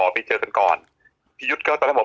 พี่ยุทธ์ก็ตอนแรกบอก